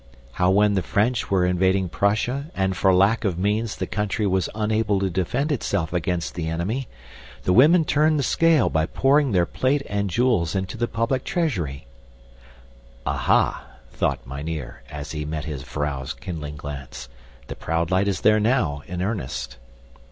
How when the French were invading Prussia and for lack of means the country was unable to defend itself against the enemy, the women turned the scale by pouring their plate and jewels into the public treasury " Aha! thought mynheer as he met his vrouw's kindling glance. The proud light is there now, in earnest.